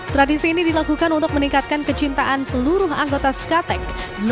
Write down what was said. tradisi ini dilakukan untuk meningkatkan kecintaan seluruh anggota skatek dua puluh dua